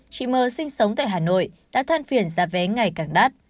chị m sinh sống tại hà nội đã than phiền giá vé ngày càng đắt